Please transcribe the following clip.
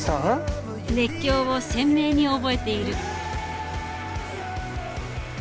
熱狂を鮮明に覚えている。